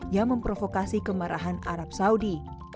yang memprovokasi kemarahan arab saudi